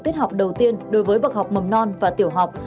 tiết học đầu tiên đối với bậc học mầm non và tiểu học